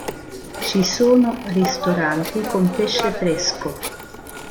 Ci sono ristoranti con pesce fresco.